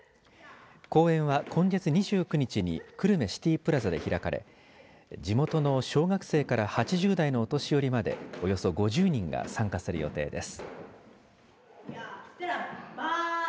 公演は今月２９日に久留米シティプラザで開かれ地元の小学生から８０代のお年寄りまでおよそ５０人が参加する予定です。